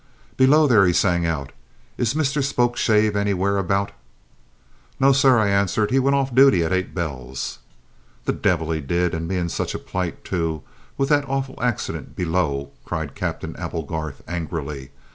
"Below there!" he sang out. "Is Mr Spokeshave anywhere about?" "No, sir," I answered. "He went off duty at eight bells." "The devil he did, and me in such a plight, too, with that awful accident below!" cried Captain Applegarth angrily.